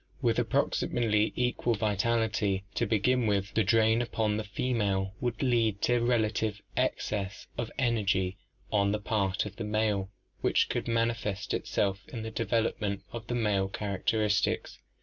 With approximately equal vitality to begin with, the drain upon the female would lead to relative excess of energy on the part of the male which could man ifest itself in the development of the male characteristics.